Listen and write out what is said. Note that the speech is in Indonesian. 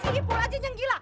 si ipul aja nyenggila